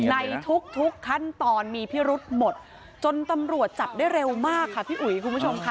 ในทุกทุกขั้นตอนมีพิรุธหมดจนตำรวจจับได้เร็วมากค่ะพี่อุ๋ยคุณผู้ชมค่ะ